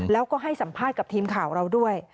แล้วก็ให้สัมภาษณ์กับทีมข่าวเราด้วย